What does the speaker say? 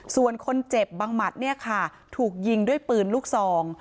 ส่วนคนเจ็บบังหมัดเนี่ยค่ะถูกยิงด้วยปืนลูกซอง